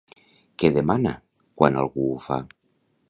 Què demana quan algú ho fa?